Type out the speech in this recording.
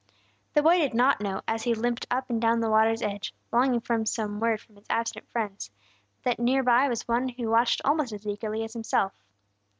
The boy did not know, as he limped up and down the water's edge, longing for some word from his absent friends, that near by was one who watched almost as eagerly as himself.